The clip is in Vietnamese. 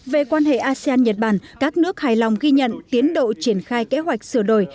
về quan hệ asean nhật bản các nước hài lòng ghi nhận tiến độ triển khai kế hoạch sửa đổi